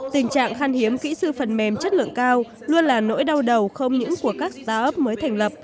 tình trạng khan hiếm kỹ sư phần mềm chất lượng cao luôn là nỗi đau đầu không những của các start up mới thành lập